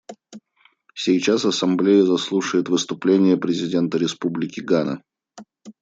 Сейчас Ассамблея заслушает выступление президента Республики Гана.